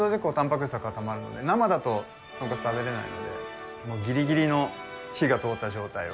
生だとトンカツ食べれないのでもうギリギリの火が通った状態を。